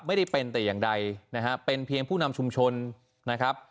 ไม่ได้เป็นแต่อย่างใดนะฮะเป็นเพียงผู้นำชุมชนนะครับ